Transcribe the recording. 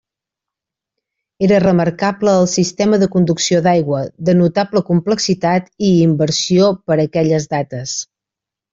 Era remarcable el sistema de conducció d'aigua, de notable complexitat i inversió per aquelles dates.